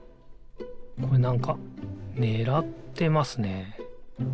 これなんかねらってますね。